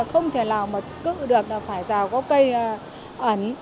không thể nào mà cự được là phải rào có cây ẩn